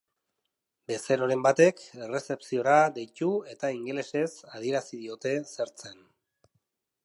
Bezeroren batek errezepziora deitu eta ingelesez adierazi diote zer zen.